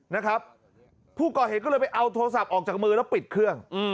นะครับผู้ก่อเหตุก็เลยไปเอาโทรศัพท์ออกจากมือแล้วปิดเครื่อง